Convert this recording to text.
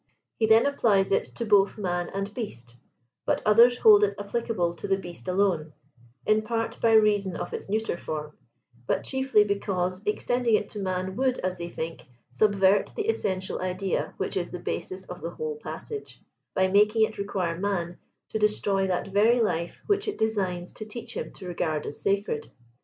He then applies it.to both man and^ast, but others hold it applicable to the beast alone ; in part by reason of its neuter form, but chiefly because extending it to man would, as they think, " subvert the essential idea which is the basis of the whole passage," by making it require man to destroy that very life which it designs to teach him to regard as sacred.